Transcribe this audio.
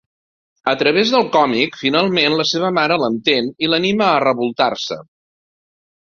A través del còmic, finalment la seva mare l'entén i l'anima a revoltar-se.